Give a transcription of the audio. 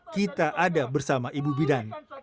kita ada bersama ibu bidan